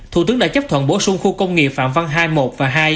thủ tướng đã chấp thuận bổ sung khu công nghiệp phạm văn hai một và hai